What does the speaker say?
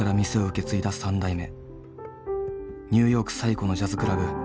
ニューヨーク最古のジャズクラブ